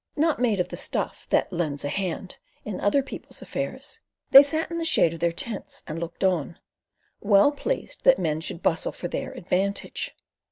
Not made of the stuff that "lends a hand" in other people's affairs, they sat in the shade of their tents and looked on, well pleased that men should bustle for their advantage.